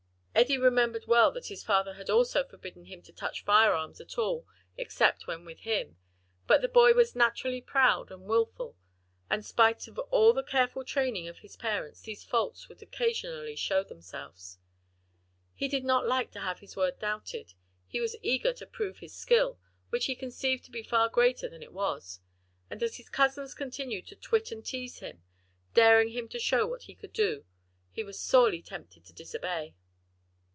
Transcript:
Eddie remembered well that his father had also forbidden him to touch firearms at all, except when with him; but the boy was naturally proud and wilful, and spite of all the careful training of his parents, these faults would occasionally show themselves. He did not like to have his word doubted, he was eager to prove his skill, which he conceived to be far greater than it was, and as his cousins continued to twit and tease him, daring him to show what he could do, he was sorely tempted to disobey.